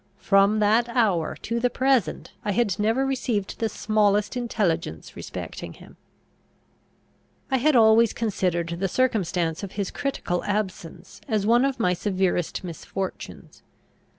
From that hour to the present I had never received the smallest intelligence respecting him. I had always considered the circumstance of his critical absence as one of my severest misfortunes.